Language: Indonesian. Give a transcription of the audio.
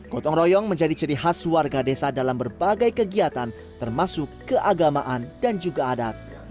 gotong royong menjadi ciri khas warga desa dalam berbagai kegiatan termasuk keagamaan dan juga adat